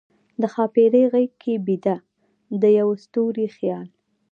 د ښاپیرۍ غیږ کې بیده، د یوه ستوری خیال